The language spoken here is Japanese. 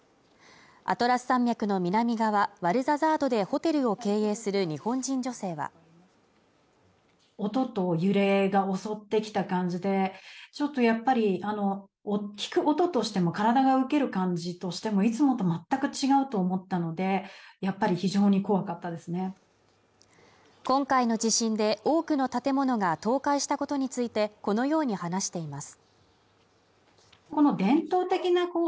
アトラス山脈の南側ワルザザードでホテルを経営する日本人女性は今回の地震で多くの建物が倒壊したことについてこのように話しています